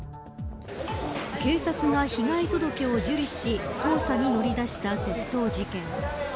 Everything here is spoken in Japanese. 警察が被害届を受理し捜査に乗り出した窃盗事件。